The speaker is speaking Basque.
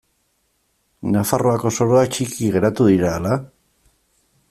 Nafarroako soroak txiki geratu dira ala?